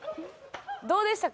どうでしたか？